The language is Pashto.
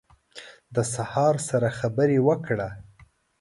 د سهار سره خبرې وکړه